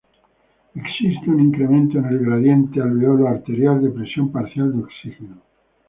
Existe un incremento en el gradiente alveolo-arterial de presión parcial de oxígeno.